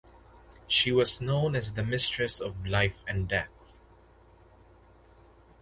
She was known as the "mistress of life and death".